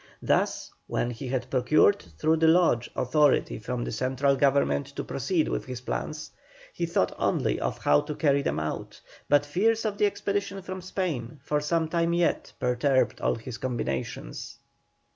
Thus, when he had procured through the Lodge authority from the central government to proceed with his plans, he thought only of how to carry them out, but fears of the expedition from Spain for some time yet perturbed all his combinations.